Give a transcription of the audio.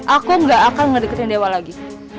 aku gak akan ngedekatin dewa lagi